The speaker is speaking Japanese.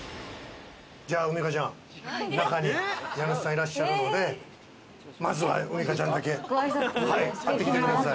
海荷ちゃん、中に家主さんいらっしゃるので、まずは海荷ちゃんだけ会ってきてください。